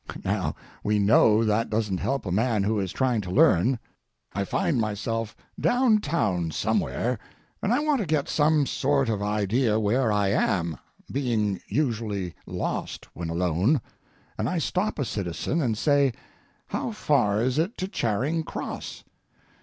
Now we know that doesn't help a man who is trying to learn. I find myself down town somewhere, and I want to get some sort of idea where I am—being usually lost when alone—and I stop a citizen and say: "How far is it to Charing Cross?"